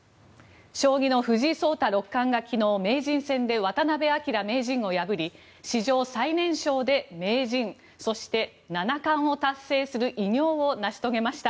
将棋の藤井聡太六冠が昨日、名人戦で渡辺明名人を破り史上最年少で名人そして七冠を達成する偉業を成し遂げました。